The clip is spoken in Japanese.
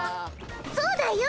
そうだよ